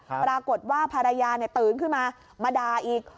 ปรากฏว่าภรรยาตื่นขึ้นมามาด่าอีก